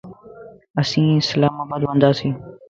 اسين اسلام آباد ونداسين